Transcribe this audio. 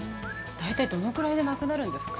◆大体どれくらいでなくなるんですか。